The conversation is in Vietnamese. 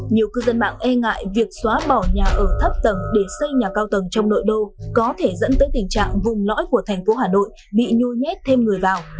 nhiều cư dân mạng e ngại việc xóa bỏ nhà ở thấp tầng để xây nhà cao tầng trong nội đô có thể dẫn tới tình trạng vùng lõi của thành phố hà nội bị nhu nhét thêm người vào